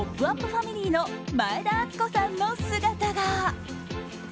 ファミリーの前田敦子さんの姿が。